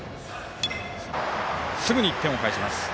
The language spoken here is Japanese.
すぐに１点を返します。